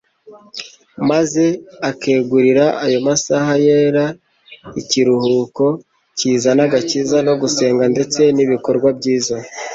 maze akegurira ayo masaha yera ikimhuko kizana agakiza, no gusenga ndetse n'ibikorwa byiza.